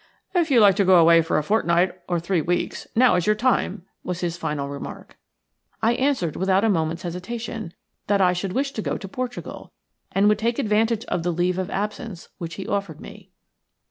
"If you like to go away for a fortnight or three weeks, now is your time," was his final remark. I answered without a moment's hesitation that I should wish to go to Portugal, and would take advantage of the leave of absence which he offered me.